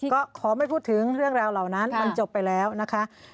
ก็ขอไม่พูดถึงเรื่องราวเหล่านั้นมันจบไปแล้วนะคะ